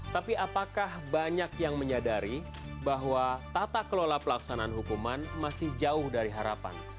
tapi apakah banyak yang menyadari bahwa tata kelola pelaksanaan hukuman masih jauh dari harapan